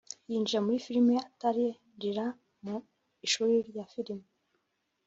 yinjira muri filime atarinjira mu ishuri rya Filime